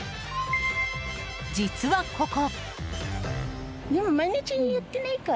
実は、ここ。